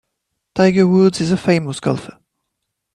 Tiger Woods is a famous golfer.